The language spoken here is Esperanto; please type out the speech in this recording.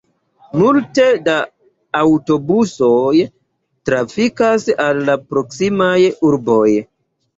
Multe da aŭtobusoj trafikas al la proksimaj urboj.